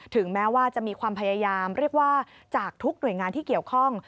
ถึงแม้ว่าจะมีความพยายามเรียกว่าจากทุกหน่วยงานที่เกี่ยวข้อง